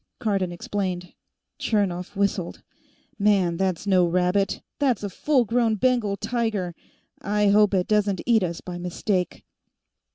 Cardon explained. Chernov whistled. "Man, that's no rabbit; that's a full grown Bengal tiger! I hope it doesn't eat us, by mistake."